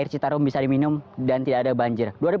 dua ribu delapan belas air citarum bisa diminum dan tidak ada banjir